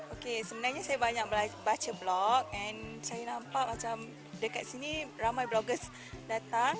oke sebenarnya saya banyak baca blog dan saya nampak macam dekat sini ramai bloggers datang